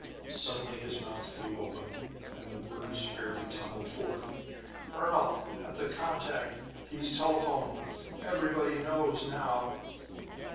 Suddenly his mouth flew open, and the words fairly tumbled forth: "Ernol at the contact he's telephoned! Everybody knows now!"